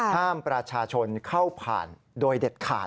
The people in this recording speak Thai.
ห้ามประชาชนเข้าผ่านโดยเด็ดขาด